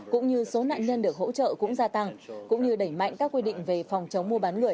cũng như số nạn nhân được hỗ trợ cũng gia tăng cũng như đẩy mạnh các quy định về phòng chống mua bán người